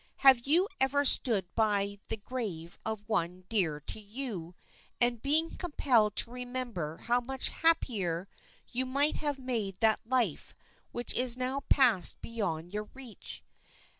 Have you ever stood by the grave of one dear to you, and been compelled to remember how much happier you might have made that life which has now passed beyond your reach?